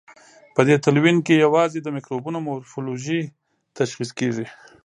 په دې تلوین کې یوازې د مکروبونو مورفولوژي تشخیص کیږي.